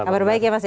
kabar baik ya mas ya